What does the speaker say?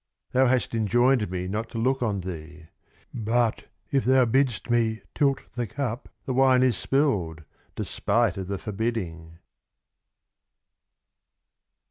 Thou hast enjoined me not to look on thee : but, if thou bidst me tilt the Cup, the Wine is spilled, despite of the Forbidding.